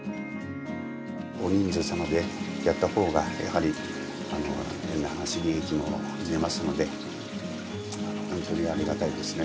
大人数様でやったほうがやはり変な話、利益も出ますので、本当にありがたいですね。